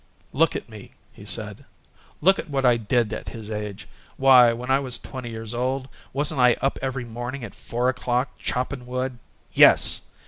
"Look at me," he said. "Look at what I did at his age! Why, when I was twenty years old, wasn't I up every morning at four o'clock choppin' wood yes!